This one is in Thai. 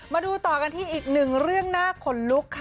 มาดูต่อกันที่อีกหนึ่งเรื่องน่าขนลุกค่ะ